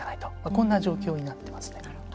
こんな状況になっていますね。